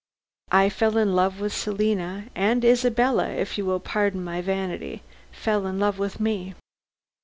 I fell in love with Selina, and Isabella if you will pardon my vanity fell in love with me.